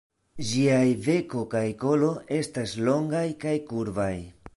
Ĝiaj beko kaj kolo estas longaj kaj kurbaj.